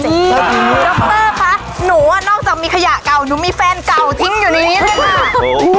นี่ดรอพเตอร์คะหนูอ่ะนอกจากมีขยะเก่าหนูมีแฟนเก่าทิ้งอยู่ในนี้เลยค่ะ